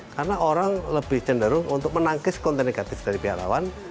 karena orang lebih cenderung untuk menangkis konten negatif dari piawawan